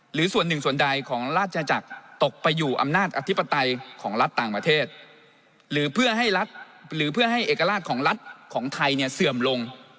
หรือส่วนหนึ่งส่วนใดของราชจักรตกไปอยู่อำนาจอธิปไตยของรัฐต่างประเทศหรือเพื่อให้รัฐหรือเพื่อให้เอกลักษณ์ของรัฐของไทยเนี่ยเสื่อมลง